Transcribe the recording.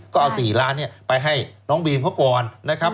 ก็เอา๔ล้านไปให้น้องบีมเขาก่อนนะครับ